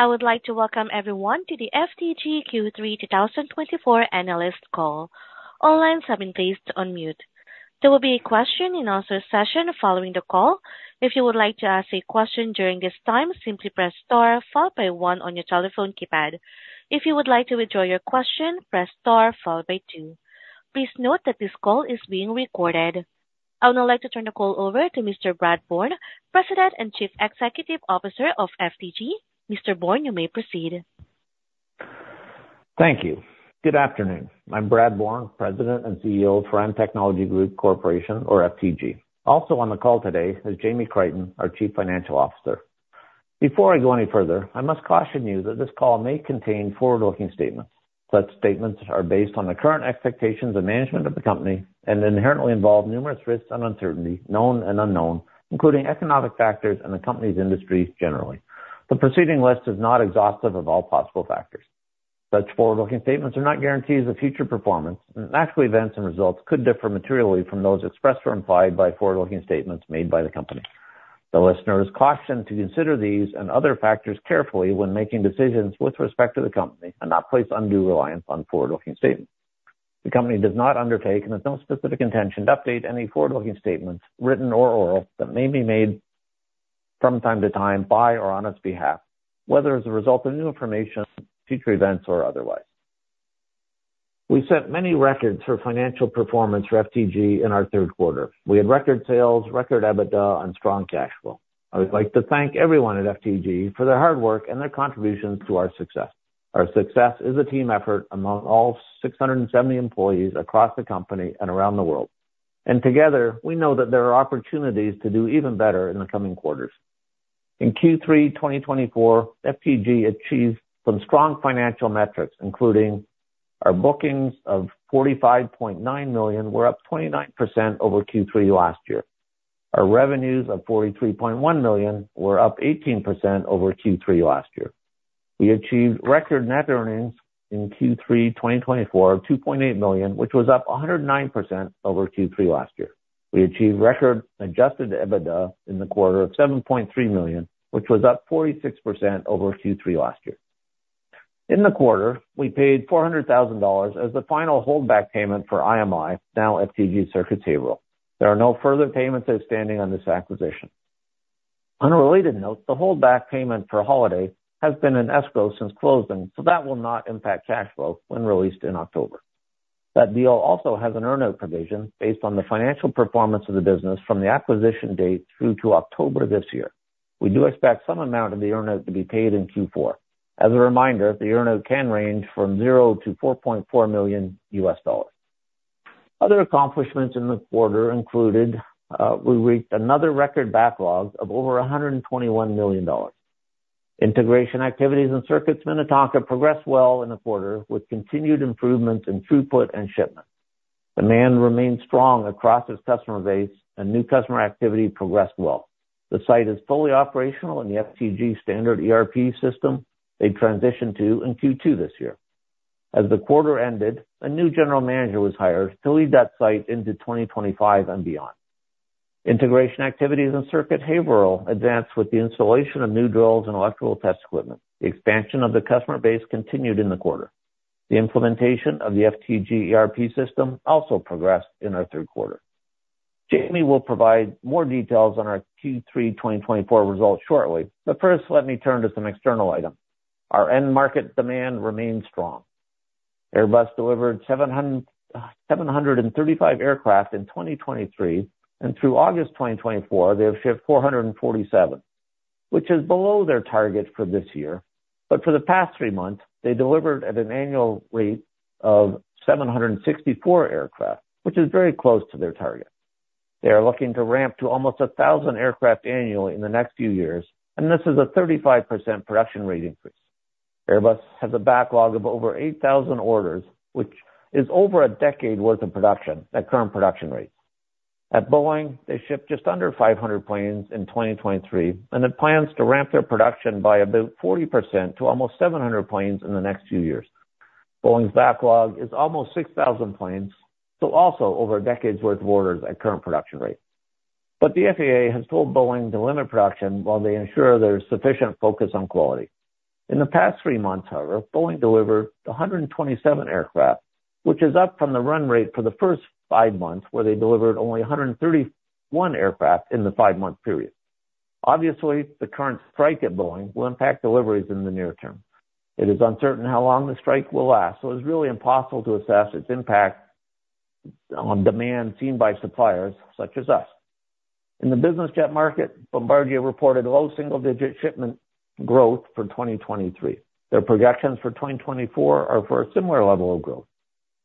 I would like to welcome everyone to the FTG Q3 2024 analyst call. All lines have been placed on mute. There will be a question and answer session following the call. If you would like to ask a question during this time, simply press star followed by one on your telephone keypad. If you would like to withdraw your question, press star followed by two. Please note that this call is being recorded. I would now like to turn the call over to Mr. Brad Bourne, President and Chief Executive Officer of FTG. Mr. Bourne, you may proceed. Thank you. Good afternoon. I'm Brad Bourne, President and CEO of Firan Technology Group Corporation, or FTG. Also on the call today is Jamie Crichton, our Chief Financial Officer. Before I go any further, I must caution you that this call may contain forward-looking statements. Such statements are based on the current expectations of management of the company and inherently involve numerous risks and uncertainty, known and unknown, including economic factors and the company's industry generally. The preceding list is not exhaustive of all possible factors. Such forward-looking statements are not guarantees of future performance, and actual events and results could differ materially from those expressed or implied by forward-looking statements made by the company. The listener is cautioned to consider these and other factors carefully when making decisions with respect to the company and not place undue reliance on forward-looking statements. The company does not undertake and has no specific intention to update any forward-looking statements, written or oral, that may be made from time to time, by or on its behalf, whether as a result of new information, future events, or otherwise. We set many records for financial performance for FTG in our third quarter. We had record sales, record EBITDA, and strong cash flow. I would like to thank everyone at FTG for their hard work and their contributions to our success. Our success is a team effort among all 670 employees across the company and around the world, and together, we know that there are opportunities to do even better in the coming quarters. In Q3 2024, FTG achieved some strong financial metrics, including our bookings of 45.9 million were up 29% over Q3 last year. Our revenues of 43.1 million were up 18% over Q3 last year. We achieved record net earnings in Q3 2024 of 2.8 million, which was up 109% over Q3 last year. We achieved record adjusted EBITDA in the quarter of 7.3 million, which was up 46% over Q3 last year. In the quarter, we paid 400,000 dollars as the final holdback payment for IMI, now FTG Circuits Haverhill. There are no further payments outstanding on this acquisition. On a related note, the holdback payment for Holaday has been in escrow since closing, so that will not impact cash flow when released in October. That deal also has an earn-out provision based on the financial performance of the business from the acquisition date through to October this year. We do expect some amount of the earn-out to be paid in Q4. As a reminder, the earn-out can range from 0 to $4.4 million. Other accomplishments in the quarter included we reached another record backlog of over 121 million dollars. Integration activities in Circuits Minnetonka progressed well in the quarter, with continued improvements in throughput and shipments. Demand remained strong across its customer base, and new customer activity progressed well. The site is fully operational in the FTG standard ERP system they transitioned to in Q2 this year. As the quarter ended, a new general manager was hired to lead that site into 2025 and beyond. Integration activities in Circuits Haverhill advanced with the installation of new drills and electrical test equipment. The expansion of the customer base continued in the quarter. The implementation of the FTG ERP system also progressed in our third quarter. Jamie will provide more details on our Q3 2024 results shortly, but first, let me turn to some external items. Our end market demand remains strong. Airbus delivered 735 aircraft in 2023, and through August 2024, they have shipped 447, which is below their target for this year. But for the past three months, they delivered at an annual rate of 764 aircraft, which is very close to their target. They are looking to ramp to almost 1,000 aircraft annually in the next few years, and this is a 35% production rate increase. Airbus has a backlog of over 8,000 orders, which is over a decade worth of production at current production rates. At Boeing, they shipped just under 500 planes in 2023, and it plans to ramp their production by about 40% to almost 700 planes in the next few years. Boeing's backlog is almost 6,000 planes, so also over a decade's worth of orders at current production rates. But the FAA has told Boeing to limit production while they ensure there is sufficient focus on quality. In the past three months, however, Boeing delivered 127 aircraft, which is up from the run rate for the first five months, where they delivered only 131 aircraft in the five-month period. Obviously, the current strike at Boeing will impact deliveries in the near term. It is uncertain how long the strike will last, so it's really impossible to assess its impact on demand seen by suppliers such as us. In the business jet market, Bombardier reported low single-digit shipment growth for 2023. Their projections for 2024 are for a similar level of growth.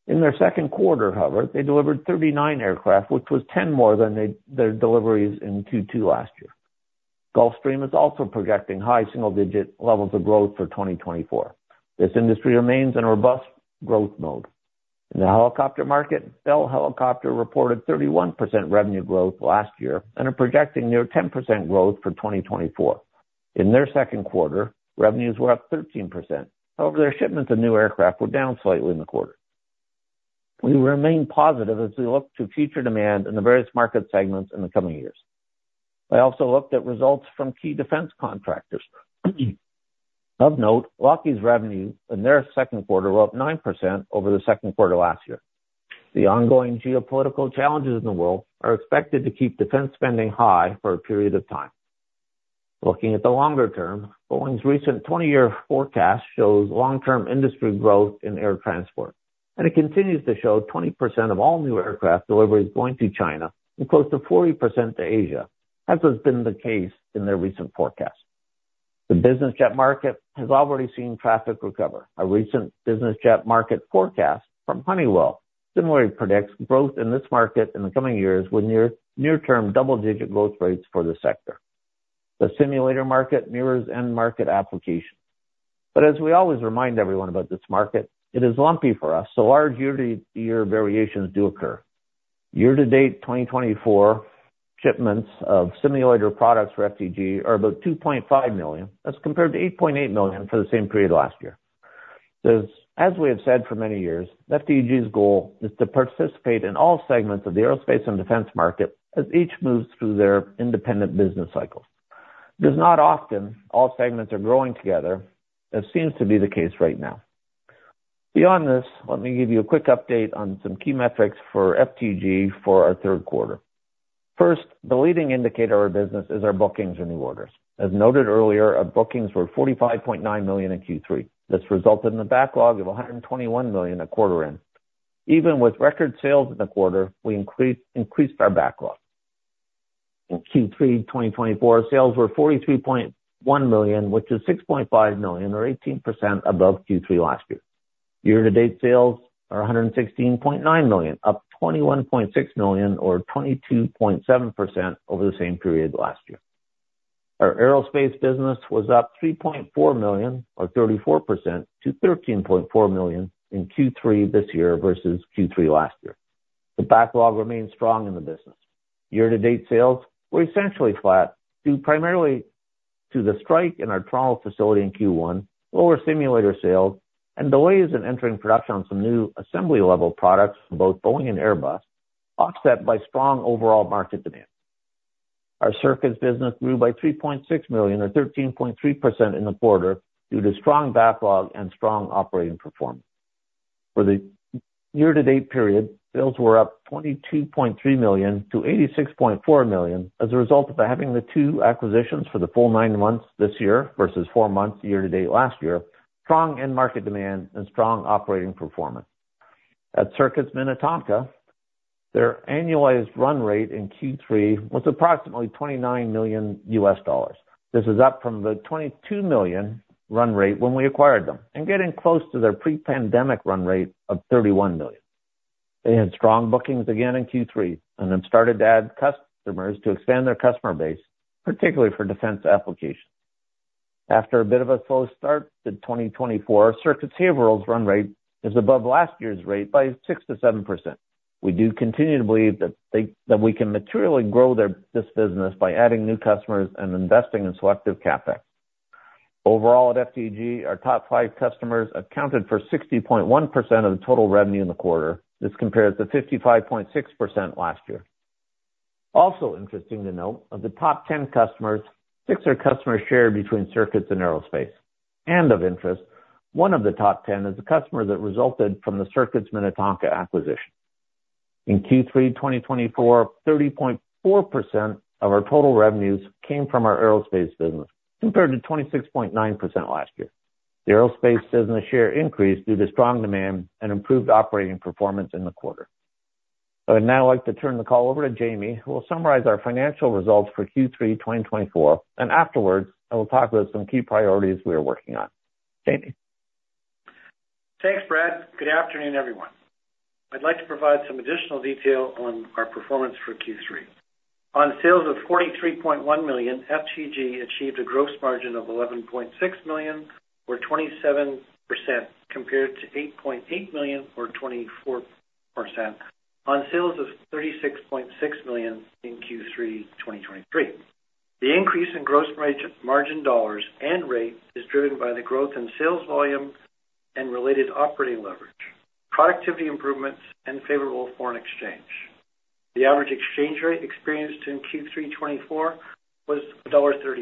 In their second quarter, however, they delivered 39 aircraft, which was 10 more than their deliveries in Q2 last year. Gulfstream is also projecting high single-digit levels of growth for 2024. This industry remains in a robust growth mode. In the helicopter market, Bell Helicopter reported 31% revenue growth last year and are projecting near 10% growth for 2024. In their second quarter, revenues were up 13%. However, their shipments of new aircraft were down slightly in the quarter. We remain positive as we look to future demand in the various market segments in the coming years. I also looked at results from key defense contractors. Of note, Lockheed's revenue in their second quarter were up 9% over the second quarter last year. The ongoing geopolitical challenges in the world are expected to keep defense spending high for a period of time. Looking at the longer term, Boeing's recent twenty-year forecast shows long-term industry growth in air transport, and it continues to show 20% of all new aircraft deliveries going to China and close to 40% to Asia, as has been the case in their recent forecast. The business jet market has already seen traffic recover. A recent business jet market forecast from Honeywell similarly predicts growth in this market in the coming years, with near-term double-digit growth rates for the sector. The simulator market mirrors end market applications. But as we always remind everyone about this market, it is lumpy for us, so large year-to-year variations do occur. Year-to-date, 2024 shipments of simulator products for FTG are about 2.5 million. That's compared to 8.8 million for the same period last year. As we have said for many years, FTG's goal is to participate in all segments of the aerospace and defense market as each moves through their independent business cycles. It is not often all segments are growing together, as seems to be the case right now. Beyond this, let me give you a quick update on some key metrics for FTG for our third quarter. First, the leading indicator of business is our bookings and new orders. As noted earlier, our bookings were 45.9 million in Q3. This resulted in a backlog of 121 million at quarter end. Even with record sales in the quarter, we increased our backlog. In Q3 2024, sales were 43.1 million, which is 6.5 million, or 18% above Q3 last year. Year-to-date sales are 116.9 million, up 21.6 million, or 22.7% over the same period last year. Our aerospace business was up 3.4 million, or 34%, to 13.4 million in Q3 this year versus Q3 last year. The backlog remains strong in the business. Year-to-date sales were essentially flat, due primarily to the strike in our Toronto facility in Q1, lower simulator sales, and delays in entering production on some new assembly-level products from both Boeing and Airbus, offset by strong overall market demand. Our Circuits business grew by 3.6 million, or 13.3%, in the quarter due to strong backlog and strong operating performance. For the year-to-date period, sales were up 22.3 million to 86.4 million as a result of having the two acquisitions for the full nine months this year versus four months year-to-date last year, strong end market demand, and strong operating performance. At Circuits Minnetonka, their annualized run rate in Q3 was approximately $29 million. This is up from the $22 million run rate when we acquired them, and getting close to their pre-pandemic run rate of $31 million. They had strong bookings again in Q3 and then started to add customers to expand their customer base, particularly for defense applications. After a bit of a slow start to 2024, Circuits Haverhill's run rate is above last year's rate by 6%-7%. We do continue to believe that we can materially grow this business by adding new customers and investing in selective CapEx. Overall, at FTG, our top five customers accounted for 60.1% of the total revenue in the quarter. This compares to 55.6% last year. Also interesting to note, of the top 10 customers, six are customers shared between Circuits and Aerospace. Of interest, one of the top 10 is a customer that resulted from the Circuits Minnetonka acquisition. In Q3 2024, 30.4% of our total revenues came from our aerospace business, compared to 26.9% last year. The aerospace business share increased due to strong demand and improved operating performance in the quarter. I would now like to turn the call over to Jamie, who will summarize our financial results for Q3, twenty twenty-four, and afterwards, I will talk about some key priorities we are working on. Jamie? Thanks, Brad. Good afternoon, everyone. I'd like to provide some additional detail on our performance for Q3. On sales of 43.1 million, FTG achieved a gross margin of 11.6 million, or 27%, compared to 8.8 million, or 24%, on sales of 36.6 million in Q3 2023. The increase in gross margin dollars and rate is driven by the growth in sales volume and related operating leverage, productivity improvements, and favorable foreign exchange. The average exchange rate experienced in Q3 2024 was $1.36,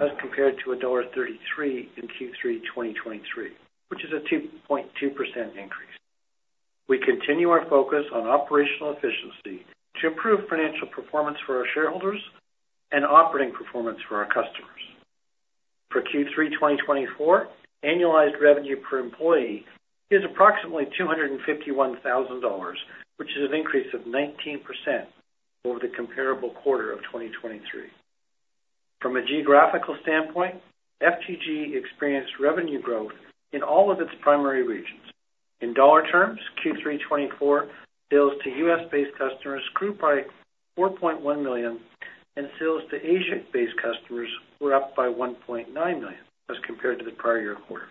as compared to $1.33 in Q3 2023, which is a 2.2% increase. We continue our focus on operational efficiency to improve financial performance for our shareholders and operating performance for our customers. For Q3 2024, annualized revenue per employee is approximately 251,000 dollars, which is an increase of 19% over the comparable quarter of 2023. From a geographical standpoint, FTG experienced revenue growth in all of its primary regions. In dollar terms, Q3 2024 sales to US-based customers grew by 4.1 million, and sales to Asia-based customers were up by 1.9 million, as compared to the prior year quarter.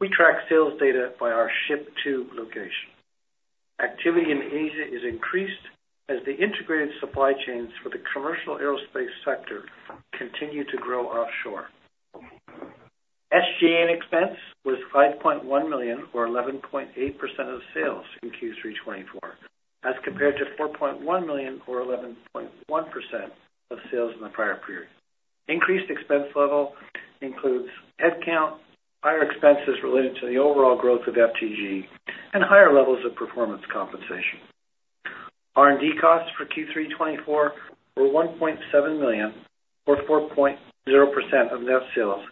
We track sales data by our ship to location. Activity in Asia is increased as the integrated supply chains for the commercial aerospace sector continue to grow offshore. SG&A expense was 5.1 million, or 11.8% of sales in Q3 2024, as compared to 4.1 million, or 11.1% of sales in the prior period. Increased expense level includes headcount, higher expenses related to the overall growth of FTG, and higher levels of performance compensation. R&D costs for Q3 2024 were $1.7 million, or 4.0% of net sales,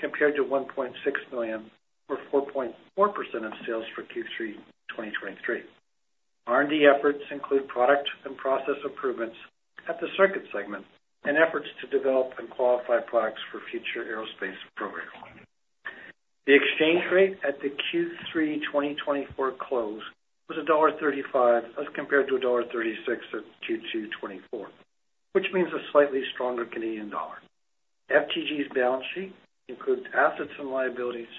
compared to $1.6 million, or 4.4% of sales for Q3 2023. R&D efforts include product and process improvements at the Circuits segment, and efforts to develop and qualify products for future aerospace programs. The exchange rate at the Q3 2024 close was 1.35, as compared to 1.36 at Q2 2024, which means a slightly stronger Canadian dollar. FTG's balance sheet includes assets and liabilities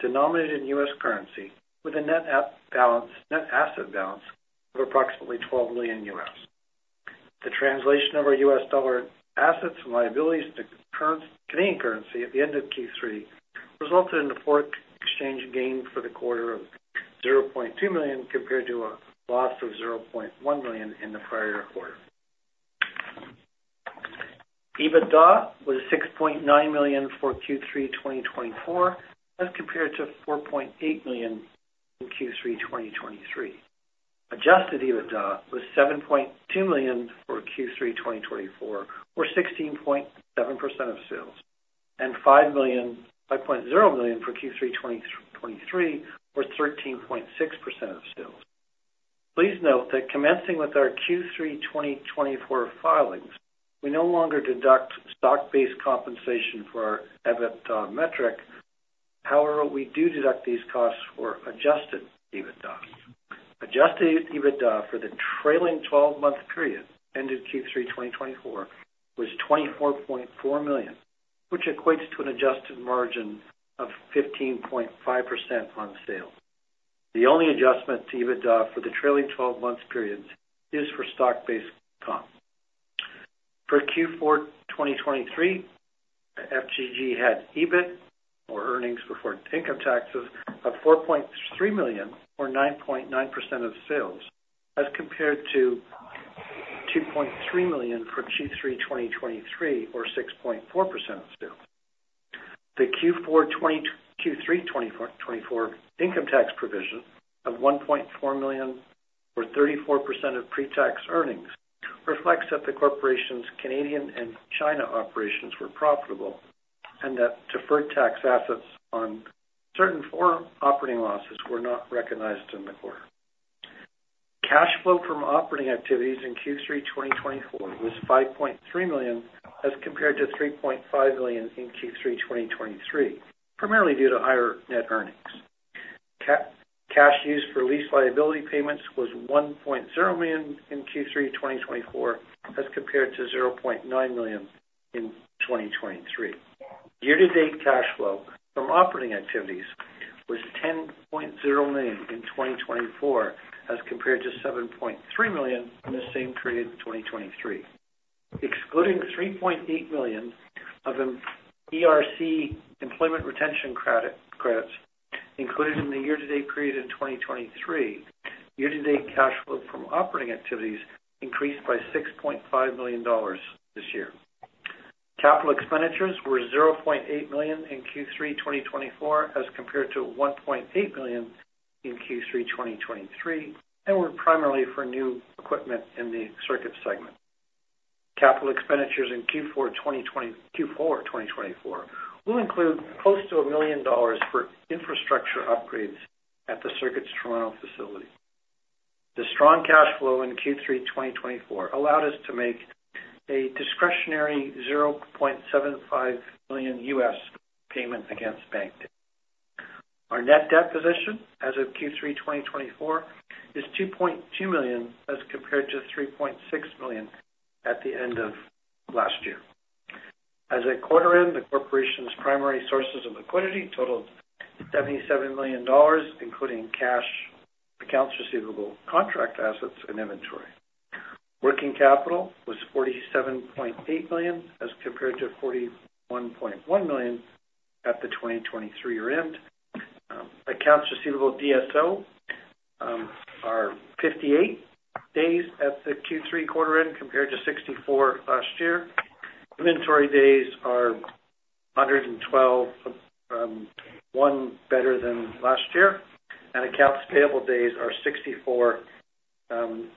denominated in US currency, with a net asset balance of approximately $12 million. The translation of our US dollar assets and liabilities to current Canadian currency at the end of Q3 resulted in a foreign exchange gain for the quarter of 0.2 million, compared to a loss of 0.1 million in the prior quarter. EBITDA was 6.9 million for Q3 2024, as compared to 4.8 million in Q3 2023. Adjusted EBITDA was 7.2 million for Q3 2024, or 16.7% of sales, and 5.0 million for Q3 2023, or 13.6% of sales. Please note that commencing with our Q3 2024 filings, we no longer deduct stock-based compensation for our EBITDA metric. However, we do deduct these costs for adjusted EBITDA. Adjusted EBITDA for the trailing twelve-month period ended Q3 2024 was 24.4 million, which equates to an adjusted margin of 15.5% on sales. The only adjustment to EBITDA for the trailing twelve months periods is for stock-based comp. For Q4 2023, FTG had EBIT, or earnings before income taxes, of 4.3 million, or 9.9% of sales, as compared to 2.3 million for Q3 2023, or 6.4% of sales. The Q3 2024 income tax provision of 1.4 million, or 34% of pre-tax earnings, reflects that the corporation's Canadian and China operations were profitable, and that deferred tax assets on certain foreign operating losses were not recognized in the quarter. Cash flow from operating activities in Q3 2024 was 5.3 million, as compared to 3.5 million in Q3 2023, primarily due to higher net earnings. Cash used for lease liability payments was 1.0 million in Q3 2024, as compared to 0.9 million in 2023. Year-to-date cash flow from operating activities was 10.0 million in 2024, as compared to 7.3 million in the same period in 2023. Excluding 3.8 million of an ERC, Employee Retention Credit, credits included in the year-to-date period in 2023, year-to-date cash flow from operating activities increased by 6.5 million dollars this year. Capital expenditures were 0.8 million in Q3 2024, as compared to 1.8 million in Q3 2023, and were primarily for new equipment in the Circuit segment. Capital expenditures in Q4 2024 will include close to 1 million dollars for infrastructure upgrades at the Circuits Toronto facility. The strong cash flow in Q3 2024 allowed us to make a discretionary $0.75 million payment against bank debt. Our net debt position as of Q3 2024 is 2.2 million, as compared to 3.6 million at the end of last year. As at quarter end, the corporation's primary sources of liquidity totaled 77 million dollars, including cash, accounts receivable, contract assets, and inventory. Working capital was 47.8 million, as compared to 41.1 million at the 2023 year end. Accounts receivable DSO are 58 days at the Q3 quarter end, compared to 64 last year. Inventory days are 112, one better than last year, and accounts payable days are 64,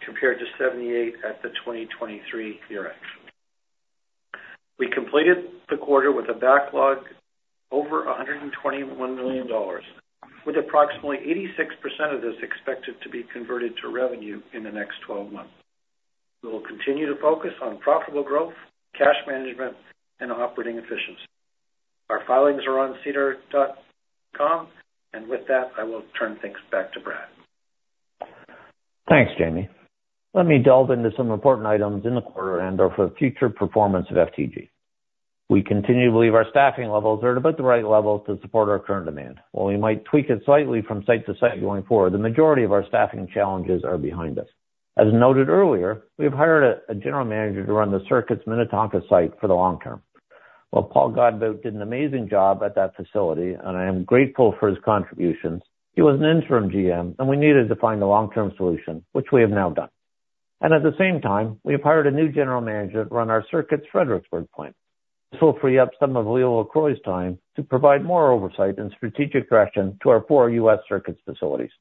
compared to 78 at the 2023 year end. We completed the quarter with a backlog over 121 million dollars, with approximately 86% of this expected to be converted to revenue in the next 12 months. We will continue to focus on profitable growth, cash management, and operating efficiency. Our filings are on sedar.com. And with that, I will turn things back to Brad. Thanks, Jamie. Let me delve into some important items in the quarter and/or for the future performance of FTG. We continue to believe our staffing levels are at about the right level to support our current demand. While we might tweak it slightly from site to site going forward, the majority of our staffing challenges are behind us. As noted earlier, we have hired a general manager to run the Circuits' Minnetonka site for the long term. While Paul Godbout did an amazing job at that facility, and I am grateful for his contributions, he was an interim GM, and we needed to find a long-term solution, which we have now done. And at the same time, we have hired a new general manager to run our Circuits' Fredericksburg plant. This will free up some of Leo LaCroix's time to provide more oversight and strategic direction to our four US Circuits facilities.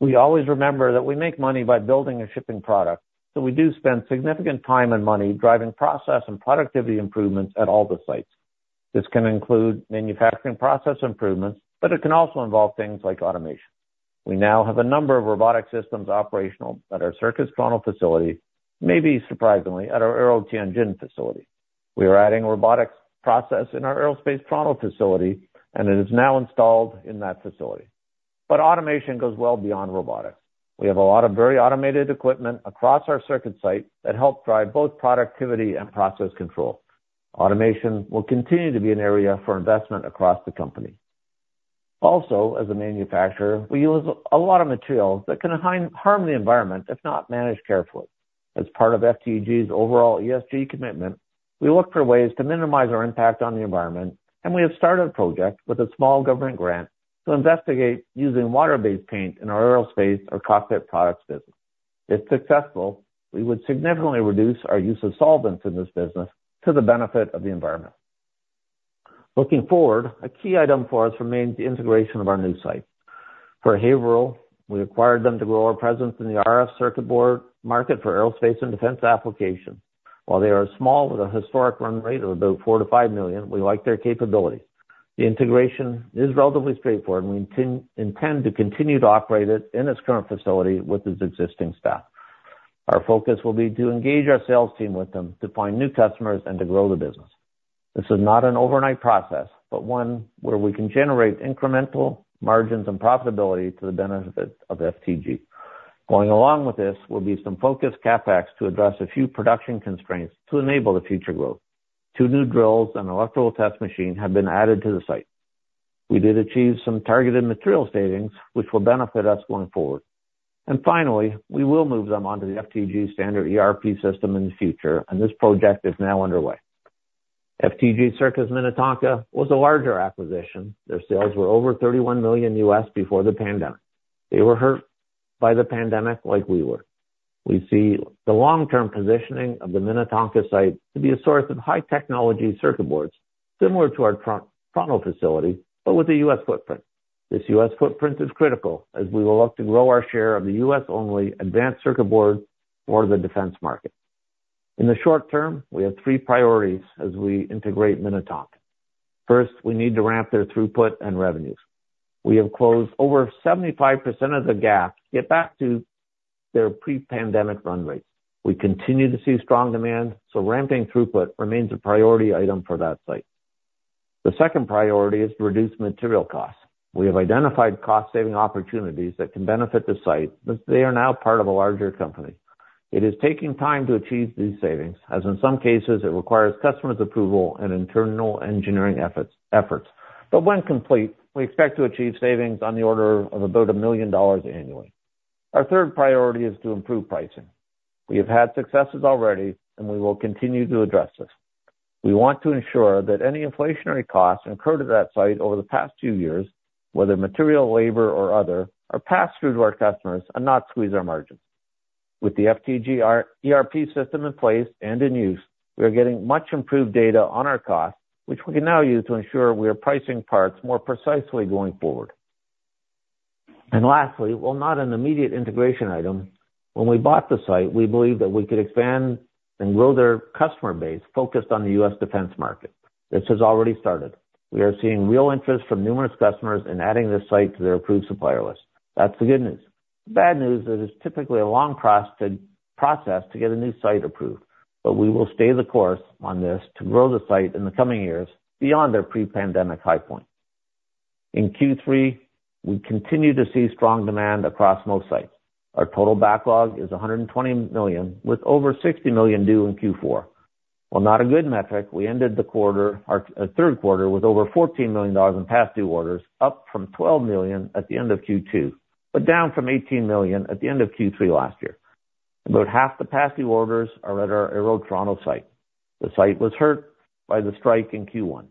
We always remember that we make money by building and shipping product, so we do spend significant time and money driving process and productivity improvements at all the sites. This can include manufacturing process improvements, but it can also involve things like automation. We now have a number of robotic systems operational at our Circuits Toronto facility, maybe surprisingly, at our Aero Tianjin facility. We are adding robotics process in our aerospace Toronto facility, and it is now installed in that facility. But automation goes well beyond robotics. We have a lot of very automated equipment across our circuit site that help drive both productivity and process control. Automation will continue to be an area for investment across the company. Also, as a manufacturer, we use a lot of materials that can harm the environment if not managed carefully. As part of FTG's overall ESG commitment, we look for ways to minimize our impact on the environment, and we have started a project with a small government grant to investigate using water-based paint in our aerospace or cockpit products business. If successful, we would significantly reduce our use of solvents in this business to the benefit of the environment. Looking forward, a key item for us remains the integration of our new site. For Haverhill, we acquired them to grow our presence in the RF circuit board market for aerospace and defense applications. While they are small, with a historic run rate of about 4 to 5 million, we like their capabilities. The integration is relatively straightforward, and we intend to continue to operate it in its current facility with its existing staff. Our focus will be to engage our sales team with them, to find new customers and to grow the business. This is not an overnight process, but one where we can generate incremental margins and profitability to the benefit of FTG. Going along with this will be some focused CapEx to address a few production constraints to enable the future growth. Two new drills and electrical test machine have been added to the site. We did achieve some targeted material savings, which will benefit us going forward, and finally, we will move them onto the FTG standard ERP system in the future, and this project is now underway. FTG Circuits Minnetonka was a larger acquisition. Their sales were over $31 million before the pandemic. They were hurt by the pandemic like we were. We see the long-term positioning of the Minnetonka site to be a source of high technology circuit boards, similar to our Toronto facility, but with a US footprint. This US footprint is critical as we will look to grow our share of the US only advanced circuit board for the defense market. In the short term, we have three priorities as we integrate Minnetonka. First, we need to ramp their throughput and revenues. We have closed over 75% of the gap to get back to their pre-pandemic run rate. We continue to see strong demand, so ramping throughput remains a priority item for that site. The second priority is to reduce material costs. We have identified cost-saving opportunities that can benefit the site, but they are now part of a larger company. It is taking time to achieve these savings, as in some cases it requires customers' approval and internal engineering efforts. But when complete, we expect to achieve savings on the order of about 1 million dollars annually. Our third priority is to improve pricing. We have had successes already, and we will continue to address this. We want to ensure that any inflationary costs incurred at that site over the past few years, whether material, labor, or other, are passed through to our customers and not squeeze our margins. With the FTG's ERP system in place and in use, we are getting much improved data on our costs, which we can now use to ensure we are pricing parts more precisely going forward. Lastly, while not an immediate integration item, when we bought the site, we believed that we could expand and grow their customer base focused on the US defense market. This has already started. We are seeing real interest from numerous customers in adding this site to their approved supplier list. That's the good news. The bad news is it's typically a long process to get a new site approved, but we will stay the course on this to grow the site in the coming years beyond their pre-pandemic high point. In Q3, we continue to see strong demand across most sites. Our total backlog is 120 million, with over 60 million due in Q4. While not a good metric, we ended the quarter, our third quarter, with over 14 million dollars in past due orders, up from 12 million at the end of Q2, but down from 18 million at the end of Q3 last year. About half the past due orders are at our Aero Toronto site. The site was hurt by the strike in Q1.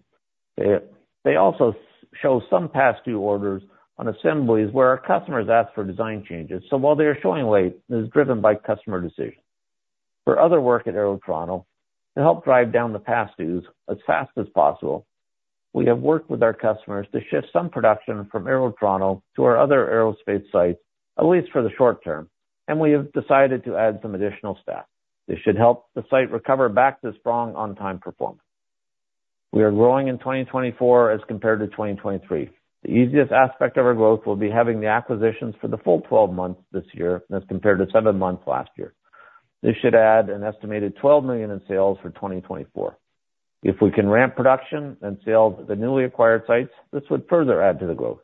They also show some past due orders on assemblies where our customers ask for design changes. So while they are showing late, it is driven by customer decisions. For other work at Aero Toronto, to help drive down the past dues as fast as possible, we have worked with our customers to shift some production from Aero Toronto to our other aerospace sites, at least for the short term, and we have decided to add some additional staff. This should help the site recover back to strong on-time performance. We are growing in 2024 as compared to 2023. The easiest aspect of our growth will be having the acquisitions for the full twelve months this year, as compared to seven months last year. This should add an estimated 12 million in sales for 2024. If we can ramp production and sales at the newly acquired sites, this would further add to the growth,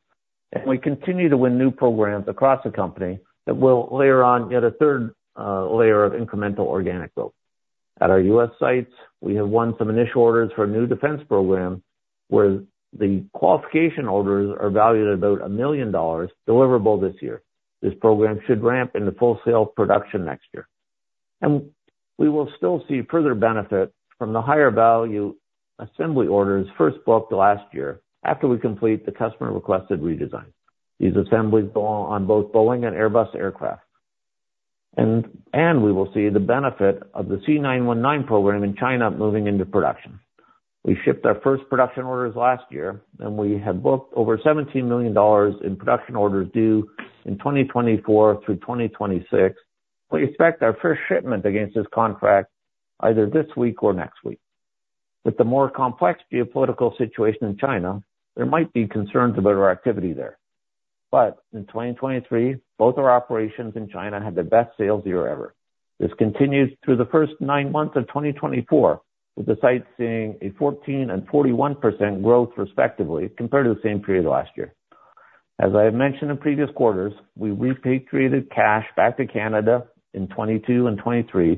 and we continue to win new programs across the company that will layer on yet a third layer of incremental organic growth. At our US sites, we have won some initial orders for a new defense program, where the qualification orders are valued at about 1 million dollars, deliverable this year. This program should ramp into full sales production next year. We will still see further benefit from the higher value assembly orders first booked last year after we complete the customer-requested redesign. These assemblies go on both Boeing and Airbus aircraft. We will see the benefit of the C919 program in China moving into production. We shipped our first production orders last year, and we have booked over 17 million dollars in production orders due in 2024 through 2026. We expect our first shipment against this contract either this week or next week. With the more complex geopolitical situation in China, there might be concerns about our activity there. In 2023, both our operations in China had their best sales year ever. This continues through the first nine months of 2024, with the site seeing 14% and 41% growth, respectively, compared to the same period last year. As I have mentioned in previous quarters, we repatriated cash back to Canada in 2022 and 2023,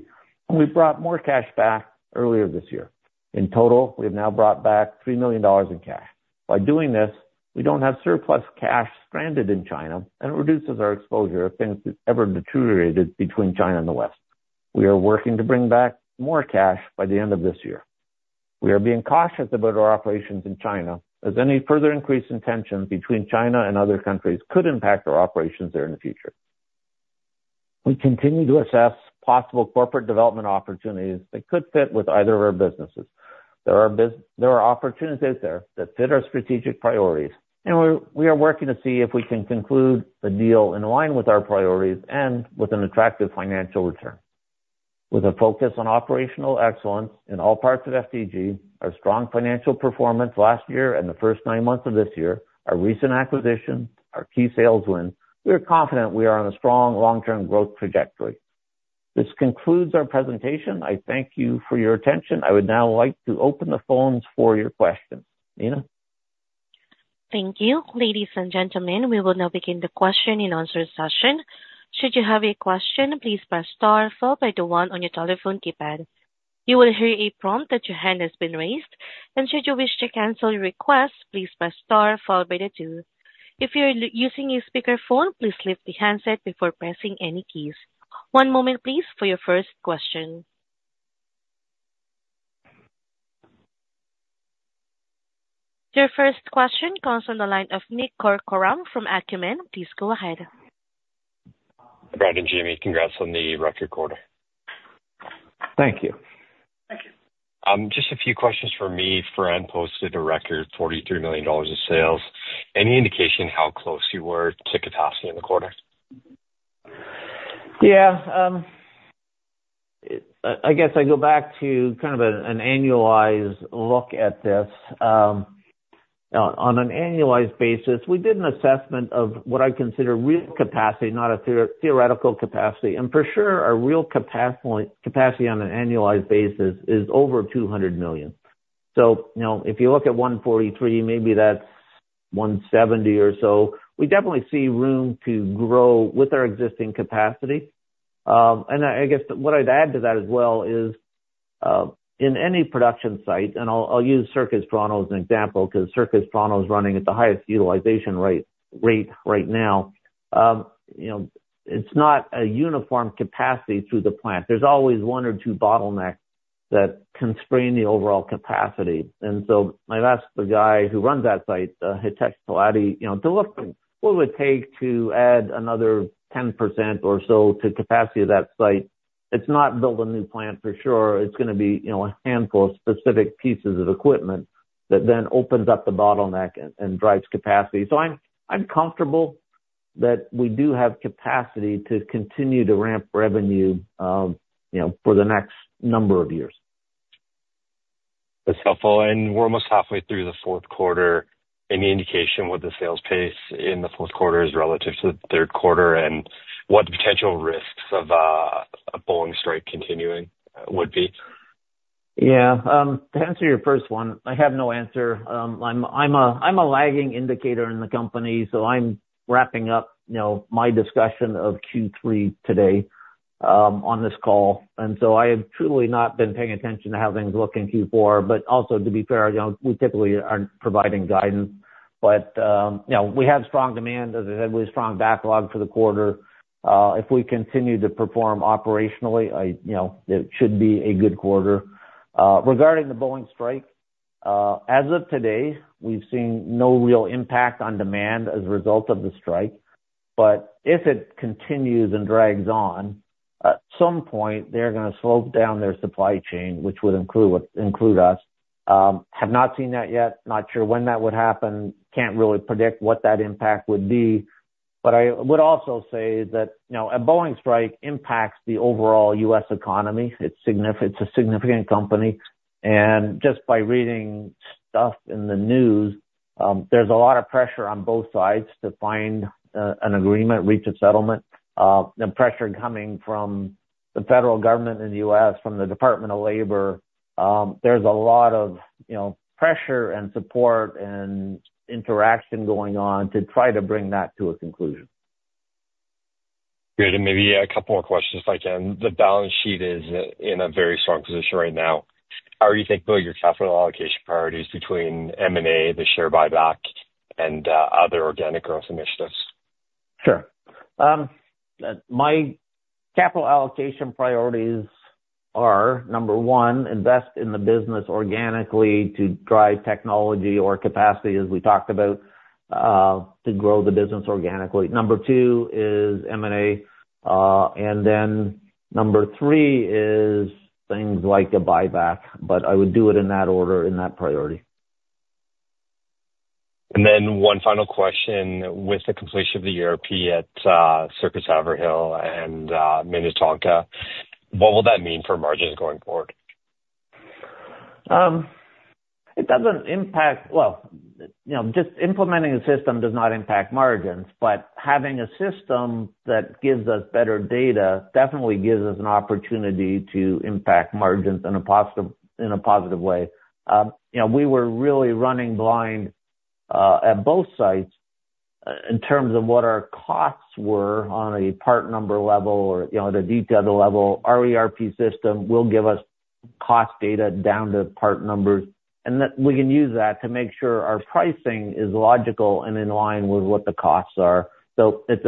and we brought more cash back earlier this year. In total, we have now brought back 3 million dollars in cash. By doing this, we don't have surplus cash stranded in China, and it reduces our exposure if things ever deteriorated between China and the West. We are working to bring back more cash by the end of this year. We are being cautious about our operations in China, as any further increase in tension between China and other countries could impact our operations there in the future. We continue to assess possible corporate development opportunities that could fit with either of our businesses. There are opportunities out there that fit our strategic priorities, and we are working to see if we can conclude a deal in line with our priorities and with an attractive financial return. With a focus on operational excellence in all parts of FTG, our strong financial performance last year and the first nine months of this year, our recent acquisition, our key sales win, we are confident we are on a strong long-term growth trajectory. This concludes our presentation. I thank you for your attention. I would now like to open the phones for your questions. Nina? Thank you. Ladies and gentlemen, we will now begin the question and answer session. Should you have a question, please press star followed by the one on your telephone keypad. You will hear a prompt that your hand has been raised, and should you wish to cancel your request, please press star followed by the two. If you're using a speakerphone, please lift the handset before pressing any keys. One moment, please, for your first question. Your first question comes from the line of Nick Corcoran from Acumen. Please go ahead. Brad and Jamie, congrats on the record quarter. Thank you. Thank you. Just a few questions from me. Firan posted a record 43 million dollars of sales. Any indication how close you were to capacity in the quarter? Yeah, I guess I go back to kind of an annualized look at this. On an annualized basis, we did an assessment of what I consider real capacity, not a theoretical capacity. For sure, our real capacity on an annualized basis is over 200 million. So, you know, if you look at 143, maybe that's 170 or so, we definitely see room to grow with our existing capacity. And I guess what I'd add to that as well is, in any production site, and I'll use Circuits Toronto as an example, because Circuits Toronto is running at the highest utilization rate right now. You know, it's not a uniform capacity through the plant. There's always one or two bottlenecks that can strain the overall capacity. And so I've asked the guy who runs that site, Hitesh Talati, you know, to look what it would take to add another 10% or so to capacity of that site. It's not build a new plant, for sure. It's gonna be, you know, a handful of specific pieces of equipment that then opens up the bottleneck and drives capacity. So I'm comfortable that we do have capacity to continue to ramp revenue, you know, for the next number of years. That's helpful. And we're almost halfway through the fourth quarter. Any indication what the sales pace in the fourth quarter is relative to the third quarter, and what the potential risks of a Boeing strike continuing would be? Yeah. To answer your first one, I have no answer. I'm a lagging indicator in the company, so I'm wrapping up, you know, my discussion of Q3 today, on this call. And so I have truly not been paying attention to how things look in Q4. But also, to be fair, you know, we typically aren't providing guidance. But, you know, we have strong demand, as I said, we have strong backlog for the quarter. If we continue to perform operationally, I, you know, it should be a good quarter. Regarding the Boeing strike, as of today, we've seen no real impact on demand as a result of the strike. But if it continues and drags on, at some point they're gonna slow down their supply chain, which would include us. Have not seen that yet. Not sure when that would happen. Can't really predict what that impact would be. But I would also say that, you know, a Boeing strike impacts the overall US economy. It's a significant company, and just by reading stuff in the news, there's a lot of pressure on both sides to find an agreement, reach a settlement. The pressure coming from the federal government in the US, from the Department of Labor, there's a lot of, you know, pressure and support and interaction going on to try to bring that to a conclusion.... Good. And maybe a couple more questions if I can. The balance sheet is in a very strong position right now. How are you thinking about your capital allocation priorities between M&A, the share buyback, and other organic growth initiatives? Sure. My capital allocation priorities are, number one, invest in the business organically to drive technology or capacity, as we talked about, to grow the business organically. Number two is M&A, and then number three is things like a buyback, but I would do it in that order, in that priority. And then one final question: With the completion of the ERP at Circuits Haverhill and Minnetonka, what will that mean for margins going forward? Well, you know, just implementing a system does not impact margins, but having a system that gives us better data definitely gives us an opportunity to impact margins in a positive way. You know, we were really running blind at both sites in terms of what our costs were on a part number level or, you know, the detail level. Our ERP system will give us cost data down to part numbers, and that we can use that to make sure our pricing is logical and in line with what the costs are. So it's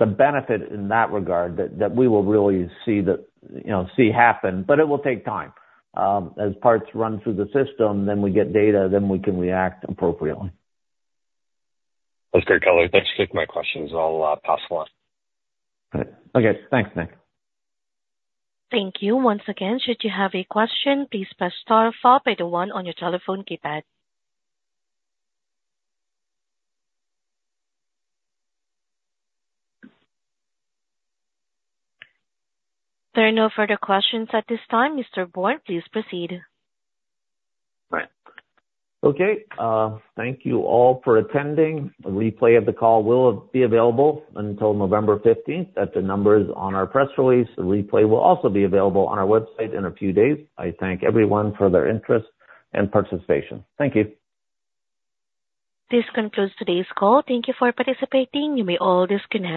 a benefit in that regard that we will really see the, you know, see happen, but it will take time. As parts run through the system, then we get data, then we can react appropriately. That's great color. Thanks for taking my questions, and I'll pass along. Okay. Thanks, Nick. Thank you. Once again, should you have a question, please press star followed by the one on your telephone keypad. There are no further questions at this time. Mr. Bourne, please proceed. Right. Okay, thank you all for attending. A replay of the call will be available until November 15th at the numbers on our press release. The replay will also be available on our website in a few days. I thank everyone for their interest and participation. Thank you. This concludes today's call. Thank you for participating. You may all disconnect.